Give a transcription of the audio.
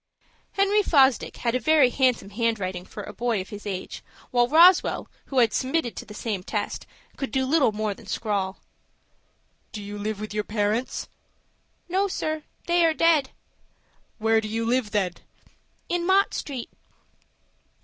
Henry Fosdick had a very handsome handwriting for a boy of his age, while Roswell, who had submitted to the same test, could do little more than scrawl. "Do you reside with your parents?" "No, sir, they are dead." "Where do you live, then?" "In Mott Street."